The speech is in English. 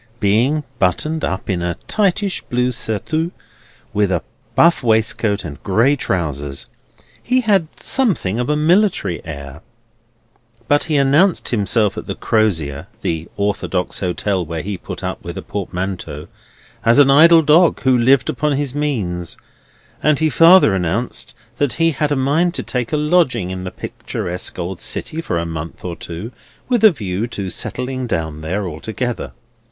Being buttoned up in a tightish blue surtout, with a buff waistcoat and gray trousers, he had something of a military air, but he announced himself at the Crozier (the orthodox hotel, where he put up with a portmanteau) as an idle dog who lived upon his means; and he farther announced that he had a mind to take a lodging in the picturesque old city for a month or two, with a view of settling down there altogether.